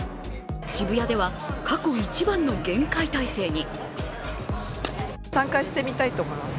渋谷では過去一番の厳戒態勢に。